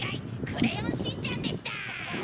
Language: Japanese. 「クレヨンしんちゃん」でした。